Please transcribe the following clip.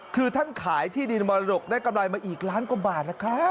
คือท่านขายที่ดินมรดกได้กำไรมาอีกล้านกว่าบาทนะครับ